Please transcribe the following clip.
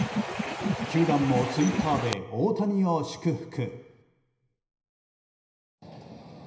球団もツイッターで大谷を祝福。